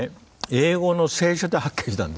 英語の聖書で発見したんです。